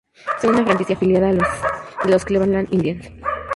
Son una franquicia afiliada de Los Cleveland Indians.